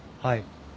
はい。